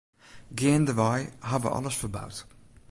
Geandewei ha we alles ferboud.